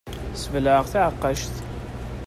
Sbelɛeɣ taɛeqqact.